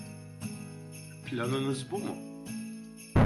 Planınız bu mu?